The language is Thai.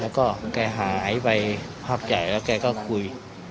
แล้วก็ของแกหายไปภาพใหญ่แล้วแกก็คุย